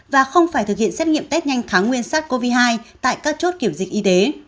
và không phải thực hiện xét nghiệm test nhanh nguyên sars cov hai tại các chốt kiểm dịch y tế